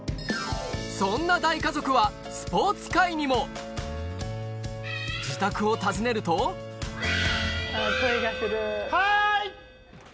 そんな大家族はスポーツ界にも自宅を訪ねると・はい！